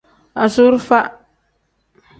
Anzurufa.